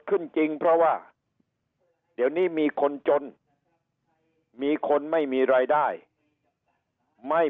ขึ้นจริงเพราะว่าเดี๋ยวนี้มีคนจนมีคนไม่มีรายได้ไม่